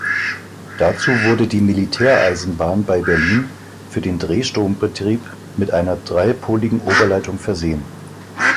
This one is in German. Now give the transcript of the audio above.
Dazu wurde die Militäreisenbahn bei Berlin für den Drehstrom-Betrieb mit einer dreipoligen Oberleitung versehen.